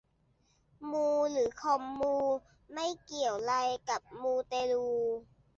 มูหรือคอมมู ไม่เกี่ยวไรกับมูเตลู